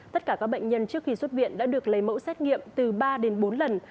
tất cả các bệnh nhân trước khi xuất viện đã được lấy mẫu xét nghiệm từ ba đến bốn lần